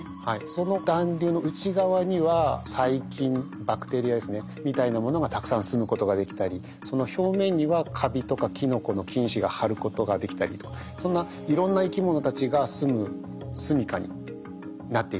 その団粒の内側には細菌バクテリアですねみたいなものがたくさんすむことができたりその表面にはカビとかキノコの菌糸が張ることができたりとそんないろんな生き物たちがすむすみかになっていると。